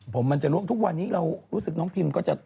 ผมมันจะล่วงทุกวันนี้เรารู้สึกน้องพิมก็จะ